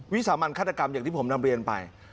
วิสามันฆาตกรรมอย่างที่ผมนำเรียนไป